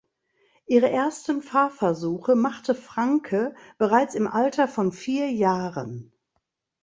Ihre ersten Fahrversuche machte Franke bereits im Alter von vier Jahren.